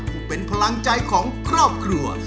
เป็นพลังใจของครอบครัว